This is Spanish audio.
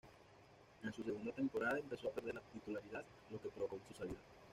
En su segundo temporada empezó a perder la titularidad, lo que provocó su salida.